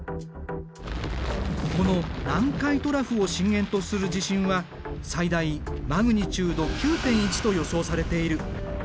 この南海トラフを震源とする地震は最大マグニチュード９．１と予想されている。